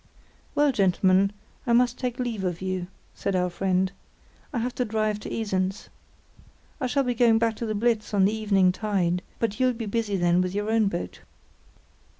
"Well, gentlemen, I must take leave of you," said our friend. "I have to drive to Esens. I shall be going back to the Blitz on the evening tide, but you'll be busy then with your own boat."